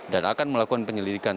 dan akan melakukan penyelidikan